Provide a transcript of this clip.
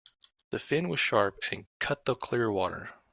The fin was sharp and cut the clear water.